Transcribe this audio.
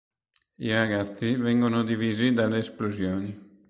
I ragazzi vengono divisi dalle esplosioni.